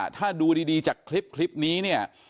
ถ้าดูดีจากคลิปย์นี้